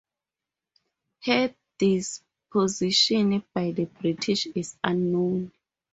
Her disposition by the British is unknown.